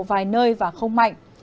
vài nơi và không mạnh